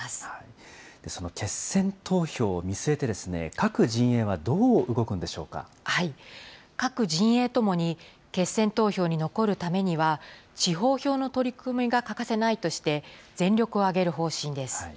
その決選投票を見据えて、各各陣営ともに、決選投票に残るためには、地方票の取り込みが欠かせないとして、全力を挙げる方針です。